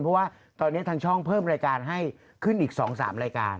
เพราะว่าตอนนี้ทางช่องเพิ่มรายการให้ขึ้นอีก๒๓รายการ